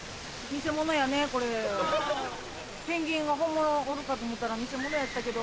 ペンギンが本物おるかと思ったら偽物やったけど。